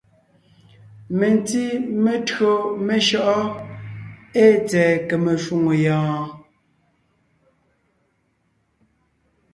Mentí metÿǒ meshÿɔʼɔ́ ée tsɛ̀ɛ kème shwòŋo yɔɔn?